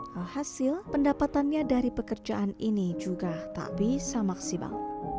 alhasil pendapatannya dari pekerjaan ini juga tak bisa maksimal